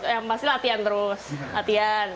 yang pasti latihan terus latihan